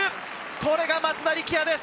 これが松田力也です！